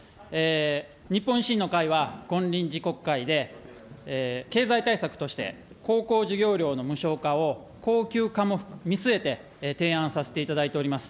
日本維新の会は今臨時国会で、経済対策として、高校授業料の無償化を恒久化も見据えて提案させていただいております。